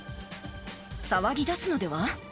騒ぎ出すのでは？